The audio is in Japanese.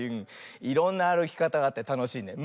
いろんなあるきかたがあってたのしいね。